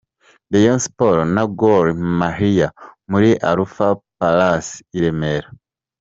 Rayon Sports na Gor Mahia muri Alpha Palace i Remera.